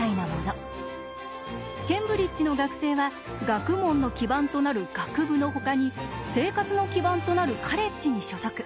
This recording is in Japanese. ケンブリッジの学生は学問の基盤となる学部のほかに生活の基盤となるカレッジに所属。